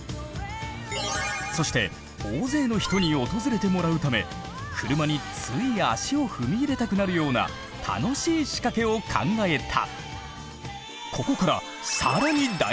そして大勢の人に訪れてもらうため車につい足を踏み入れたくなるような楽しいしかけを考えた。